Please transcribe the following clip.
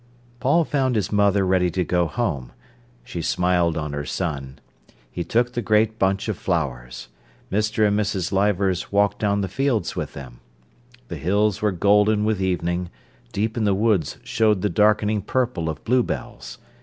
Paul found his mother ready to go home. She smiled on her son. He took the great bunch of flowers. Mr. and Mrs. Leivers walked down the fields with them. The hills were golden with evening; deep in the woods showed the darkening purple of bluebells.